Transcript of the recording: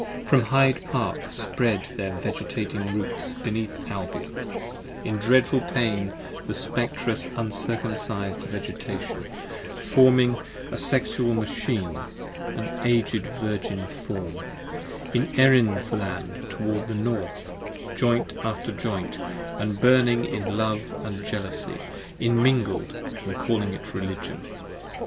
From Hyde Park spread their vegetating roots beneath Albion, In dreadful pain the Spectrous Uncircumcised Vegetation, 25 Forming a Sexual Machine, an Aged Virgin Form, In Erin's Land toward the north, joint after joint, & burning In love & jealousy immingled & calling it Religion.